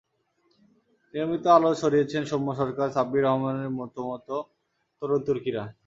নিয়মিত আলো ছড়িয়েছেন সৌম্য সরকার, সাব্বির রহমানের মতো মতো তরুণ তুর্কিরা।